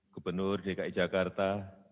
gubernur dki jakarta